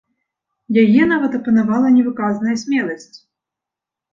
Яе нават апанавала невыказная смеласць.